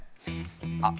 あっ！